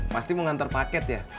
pasti mau ngantar paket ya